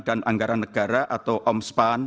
dan anggaran negara atau omspan